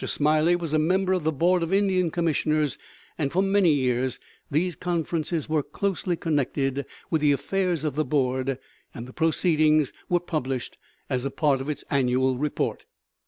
Smiley was a member of the Board of Indian Commissioners, and for many years these conferences were closely connected with the affairs of the Board, and the proceedings were published as a part of its annual report.